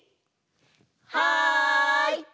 はい！